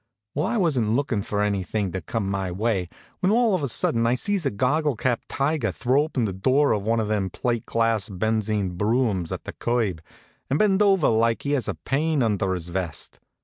Well, I wasn't lookin' for anything to come my way, when all of a sudden I sees a goggle capped tiger throw open the door of one of them plate glass benzine broughams at the curb, and bend over like he has a pain under his vest.